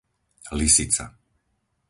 Lysica